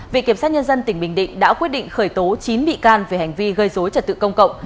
viện kiểm sát nhân dân tỉnh bình định đã quyết định khởi tố chín bị can về hành vi gây dối trật tự công cộng